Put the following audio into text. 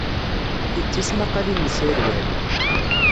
Ti d tismaqqalin n Saɛid Waɛli.